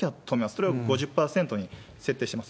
これを５０％に設定してます。